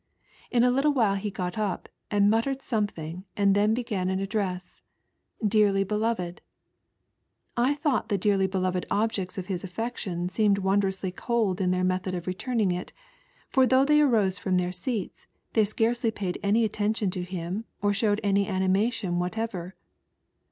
In I a Uttle while he got up and muttered something and I then began an address, "Dearly Beloved." I thought I the dearly beloved objects of his affection seemed I wondrous cold in their method of returning it, for [ though they arose from their seats thoy scarcely paid I any attention to bjm or showed any animation I whatever.